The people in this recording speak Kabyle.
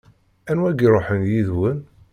Anwa i iṛuḥen yid-wen?